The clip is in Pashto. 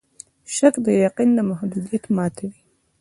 شک د یقین د محدودیت ماتوي.